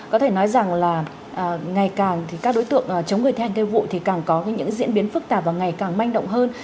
có thể nói rằng là ngày càng thì các đối tượng chống người thi hành cây vụ thì càng có những diễn biến phức tạp và ngày càng manh động hơn